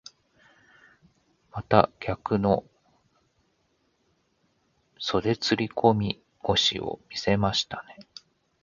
また逆の袖釣り込み腰を見せましたね。